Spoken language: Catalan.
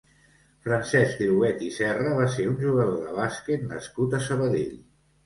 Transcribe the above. Francesc Llobet i Serra va ser un jugador de bàsquet nascut a Sabadell.